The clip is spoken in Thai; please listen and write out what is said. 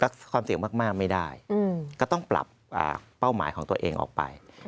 แล้วความเสี่ยงมากไม่ได้ก็ต้องปรับเป้าหมายของตัวเองออกไป